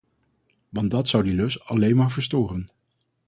Want dat zou die lus alleen maar verstoren.